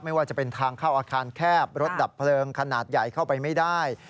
ไม่ว่าจะเป็นทางเข้าอาคารแคบรถดับเพลิงขนาดใหญ่เข้าไปไม่ได้